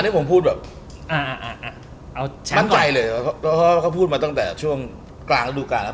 อันนี้ผมพูดแบบมั่นใจเลยเพราะเขาพูดมาตั้งแต่ช่วงกลางฤดูกาแล้ว